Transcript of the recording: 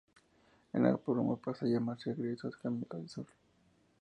El nuevo programa pasó a llamarse Regreso a Camino del Sur.